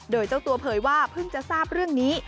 โดยเจ้าตัวเผยว่าเพิ่งจะทราบเรื่องนี้